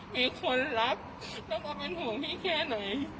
มีคนรักจะมาเป็นห่วงพี่แค่ไหน